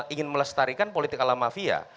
ingin melestarikan politik ala mafia